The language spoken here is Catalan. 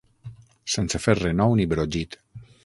Sense fer renou ni brogit.